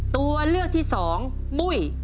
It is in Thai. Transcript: ตัวเลือกที่สองมุ้ย